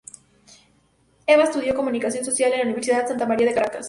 Eva estudió Comunicación Social, en la Universidad Santa María, de Caracas.